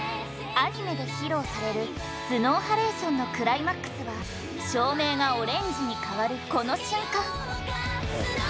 アニメで披露される「Ｓｎｏｗｈａｌａｔｉｏｎ」のクライマックスは照明がオレンジに変わるこの瞬間。